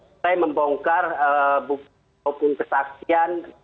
mulai membongkar buku kesaksian